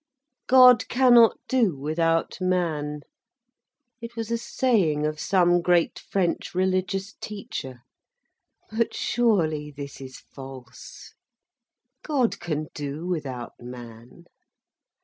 "God cannot do without man." It was a saying of some great French religious teacher. But surely this is false. God can do without man.